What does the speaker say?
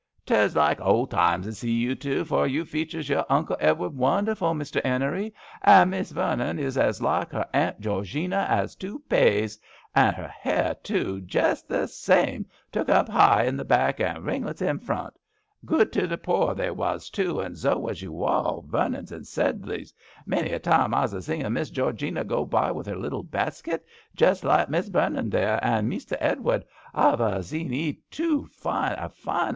" 'Tes like old times to zae you two, for you features your Uncle Edward wonderful, Mester 'Bnery, and Miss Vernon is as like her Aunt Georgina as two paise — and her hair, too, jest the same, tuk up high i' the back and ring lets in front. Good to the poor they was, too, and zo was you all, Vernons and Sedleys, Many's a time I've a zin Miss Georgina go by with her little baskit . .jest like Miss Vernon there •• and Mester Edward ... I've a zin 'ee •• too •• a fine